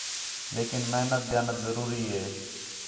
لیکن محنت، دیانت ضروری ہِے